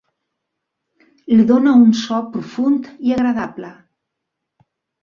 Li dona un so profund i agradable.